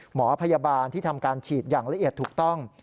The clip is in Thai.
หมอพยาบาลที่ทำการฉีดอย่างละเอียดถูกต้อง